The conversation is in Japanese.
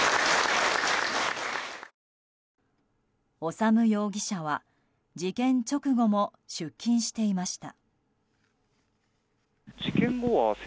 修容疑者は、事件直後も出勤していました。